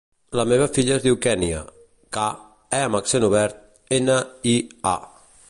La meva filla es diu Kènia: ca, e amb accent obert, ena, i, a.